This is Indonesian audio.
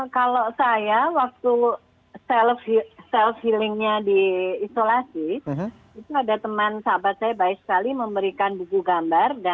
kalau saya waktu self healingnya diisolasi itu ada teman sahabat saya baik sekali memberikan buku gambar